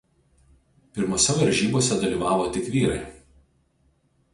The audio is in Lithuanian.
Pirmose varžybose dalyvavo tik vyrai.